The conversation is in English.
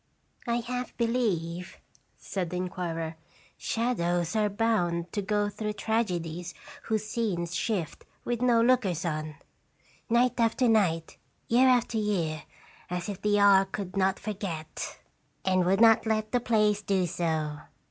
" I half believe," said the inquirer, "shadows are bound to go through tragedies whose scenes shift with no lookers on, night after night, year after year, as if the hour could not forget, and would not let the place do so.